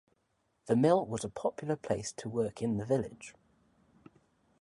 The mill was a popular place to work in the village.